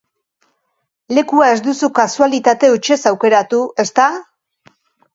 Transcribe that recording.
Lekua ez duzu kasualitate hutsez aukeratu, ezta?